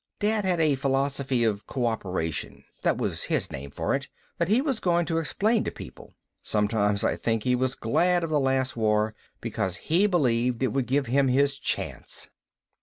Dad had a philosophy of cooperation, that was his name for it, that he was going to explain to people. Sometimes I think he was glad of the Last War, because he believed it would give him his chance.